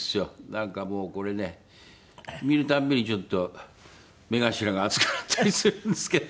なんかもうこれね見るたびにちょっと目頭が熱くなったりするんですけどね。